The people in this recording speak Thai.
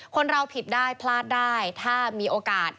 คนเราผิดได้พลาดได้ถ้ามีโอกาส